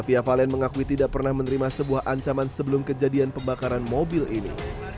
fia valen mengakui tidak pernah menerima sebuah ancaman sebelum kejadian pembakaran mobil ini